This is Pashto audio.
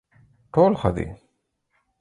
ټول ښه دي.